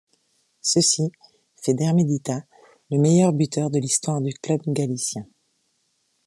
Ceci fait d'Hermedita le meilleur buteur de l'histoire du club galicien.